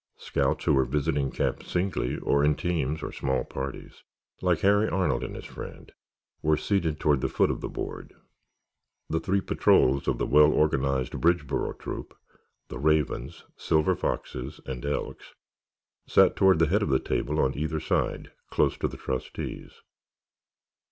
Scouts who were visiting camp singly or in teams or small parties, like Harry Arnold and his friend, were seated toward the foot of the board. The three patrols of the well organized Bridgeboro Troop, the Ravens, Silver Foxes and Elks, sat toward the head of the table on either side, close to the trustees.